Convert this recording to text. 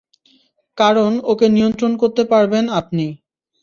কারণ ওকে নিয়ন্ত্রণ করতে পারবেন আপনি।